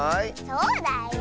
そうだよ。